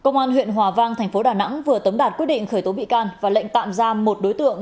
công an huyện hòa văn thành phố đà nẵng vừa tấm đạt quyết định khởi tố bị can và lệnh tạm ra một đối tượng